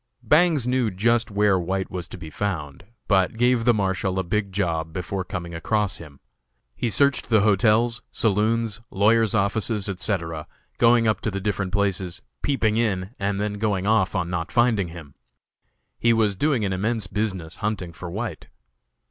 Bangs knew just where White was to be found, but gave the Marshal a big job before coming across him. He searched the hotels, saloons, lawyers' offices, etc., going up to the different places, peeping in, and then going off on not finding him. He was doing an immense business hunting for White.